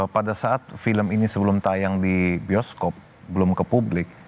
pada saat film ini sebelum tayang di bioskop belum ke publik